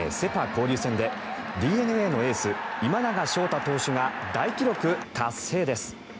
交流戦でＤｅＮＡのエース今永昇太投手が大記録達成です。